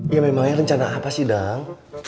ya memangnya rencana apa sih dong